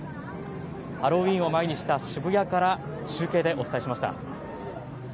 ハロウィーンを前にした渋谷から中継でお伝えしました。